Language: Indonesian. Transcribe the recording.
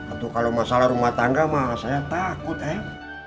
atau kalau masalah rumah tangga mah saya takut em